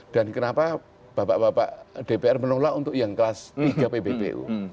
dan kenapa bapak bapak dpr menolak untuk yang kelas tiga pbbu